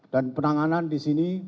dan penanganan di sini